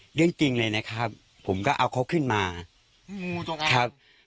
จริงจริงเลยนะครับผมก็เอาเขาขึ้นมางูตรงอ่างครับ